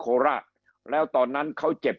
คำอภิปรายของสอสอพักเก้าไกลคนหนึ่ง